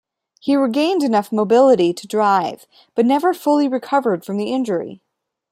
He regained enough mobility to drive but never fully recovered from the injury.